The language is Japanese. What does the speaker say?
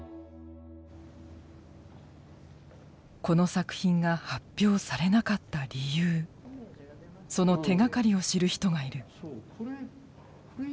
この作品が発表されなかった理由その手がかりを知る人がいる。